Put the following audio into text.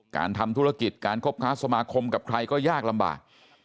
การทำธุรกิจการคบค้าสมาคมกับใครก็ยากลำบาก